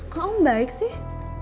kok om baik sih